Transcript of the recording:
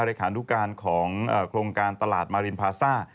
เลขานุการของโครงการตลาดมารินพาซ่า